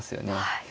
はい。